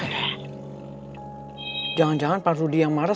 kalau enggak bila ada yang mau